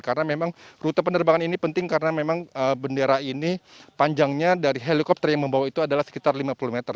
karena memang rute penerbangan ini penting karena memang bendera ini panjangnya dari helikopter yang membawa itu adalah sekitar lima puluh meter